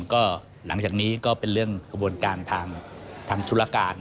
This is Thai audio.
ก็หลังจากนี้ก็เป็นเรื่องกระบวนการทางธุรการ